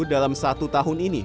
dalam satu tahun ini